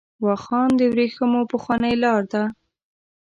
واخان د ورېښمو پخوانۍ لار ده .